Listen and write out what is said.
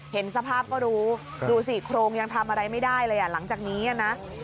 เห็นสภาพก็รู้ดูสิโครงยังทำอะไรไม่ได้เลยอ่ะหลังจากนี้นะ